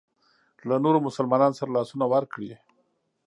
له نورو مسلمانانو سره لاسونه ورکړي.